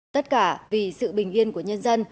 tất cả vì sự bình yên của nhân dân